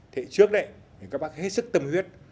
thế hệ trước đấy các bạn hết sức tâm huyết